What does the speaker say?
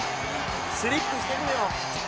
「スリップしてるのよ」